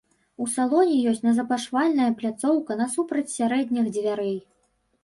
У салоне ёсць назапашвальная пляцоўка насупраць сярэдніх дзвярэй.